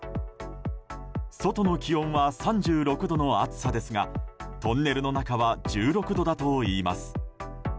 外の気温は３６度の暑さですがトンネルの中は１６度だといいます。